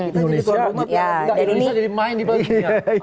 indonesia jadi main di bagiannya